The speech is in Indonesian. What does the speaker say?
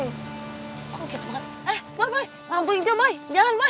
oh gitu kan eh boy boy lampu hijau boy jalan boy